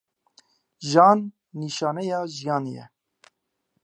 Jan nîşaneya jiyanê ye.